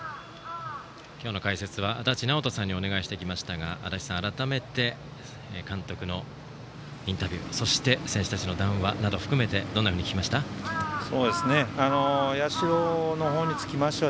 今日の解説は足達尚人さんにお願いしてきましたが足達さん、改めて監督のインタビューそして選手たちの談話など含めてどんなふうに聞きました？